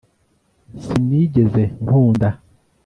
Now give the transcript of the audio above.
sinigeze nkunda